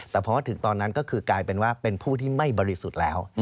แต่พอถึงตอนนั้นก็คือกลายเป็นว่าเป็นผู้ที่ไม่บริสุทธิ์แล้ว